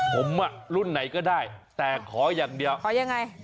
ผมอ่ะรุ่นไหนก็ได้แต่ขออย่างเดียวขอยังไง